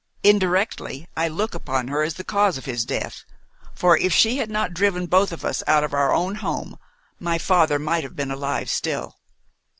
Indirectly, I look upon her as the cause of his death, for if she had not driven both of us out of our own home, my father might have been alive still.